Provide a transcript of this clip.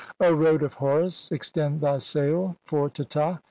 O "road of Horus, extend thy sail for Teta.